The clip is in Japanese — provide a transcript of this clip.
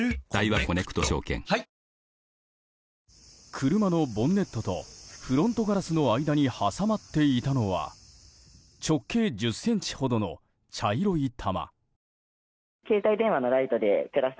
車のボンネットとフロントガラスの間に挟まっていたのは直径１０ｃｍほどの茶色い玉。